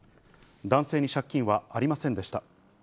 男性に借金はありませんでした。